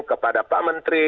kepada pak menteri